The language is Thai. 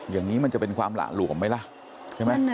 อย่างนี้มันจะเป็นความหล่าหลวมไหมล่ะ